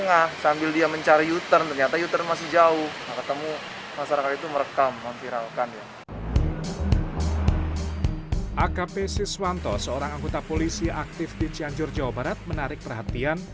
akp siswanto seorang anggota polisi aktif di cianjur jawa barat menarik perhatian